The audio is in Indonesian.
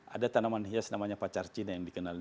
ada tanaman hias namanya pacar cina yang dikenal